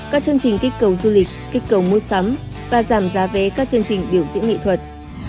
các chương trình kích cầu du lịch kích cầu mua sắm và giảm giá vé các chương trình biểu diễn nghệ thuật